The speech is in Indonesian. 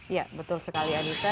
ya betul sekali anissa